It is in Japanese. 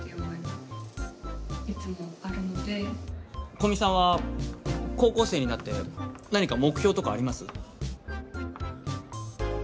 古見さんは高校生になって何か目標とかあります？